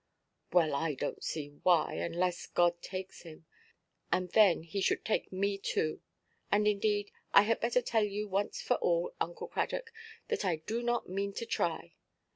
"Well, I donʼt see why, unless God takes him; and then He should take me too. And, indeed, I had better tell you once for all, Uncle Cradock, that I do not mean to try.